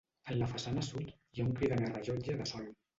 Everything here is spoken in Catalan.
En la façana sud, hi ha un cridaner rellotge de sol.